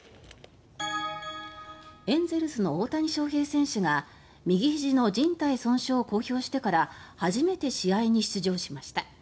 エンゼルスの大谷翔平選手が右ひじのじん帯損傷を公表してから初めて試合に出場しました。